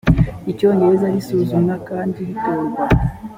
icyongereza risuzumwa kandi ritorwa